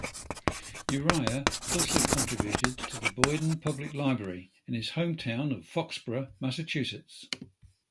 Uriah also contributed to the Boyden Public Library in his hometown of Foxborough, Massachusetts.